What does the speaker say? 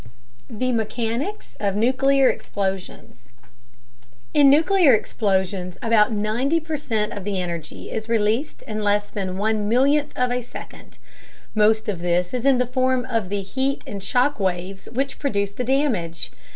THE MECHANICS OF NUCLEAR EXPLOSIONS In nuclear explosions, about 90 percent of the energy is released in less than one millionth of a second. Most of this is in the form of the heat and shock waves which produce the damage.